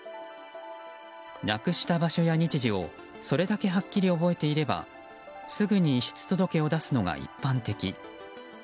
なくした場所や日時をそれだけはっきり覚えていればすぐに遺失届を出すのが一般的。